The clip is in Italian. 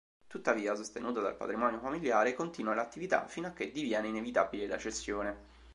Tuttavia, sostenuta dal patrimonio familiare, continua l’attività fino a che diviene inevitabile la cessione.